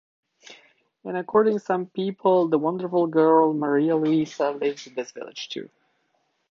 And according some people, the wonderful girl Maria Luisa lives in this village too.